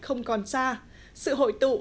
không còn xa sự hội tụ